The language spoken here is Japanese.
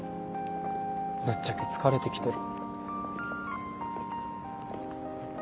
ぶっちゃけ疲れてきてる。